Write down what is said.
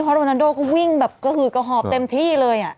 เพราะโรนานโดก็วิ่งแบบคือกระหอบเต็มที่เลย